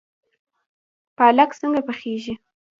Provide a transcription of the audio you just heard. پالک څنګه پاکیږي؟